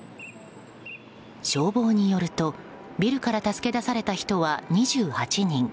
消防によるとビルから助け出された人は２８人。